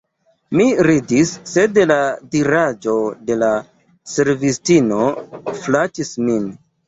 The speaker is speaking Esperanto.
Mi ridis, sed la diraĵo de la servistino flatis min.